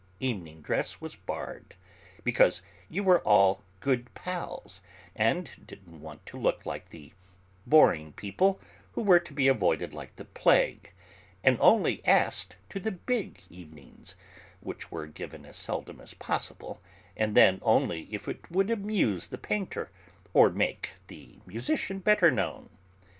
Evening dress was barred, because you were all 'good pals,' and didn't want to look like the 'boring people' who were to be avoided like the plague, and only asked to the big evenings, which were given as seldom as possible, and then only if it would amuse the painter or make the musician better known.